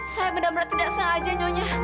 saya benar benar tidak sengaja nyonya